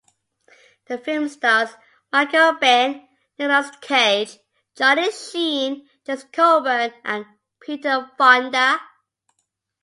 The film stars Michael Biehn, Nicolas Cage, Charlie Sheen, James Coburn, and Peter Fonda.